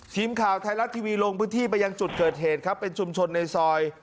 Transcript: ทีมข่าวไทยรัฐทีวีลงพื้นที่ไปยังจุดเกิดเหตุครับเป็นชุมชนในซอย